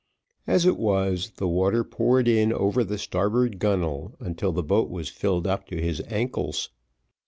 As it was, the water poured in over the starboard gunnel, until the boat was filled up to his ankles.